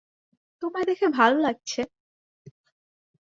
তোমায় দেখে ভালো লাগছে।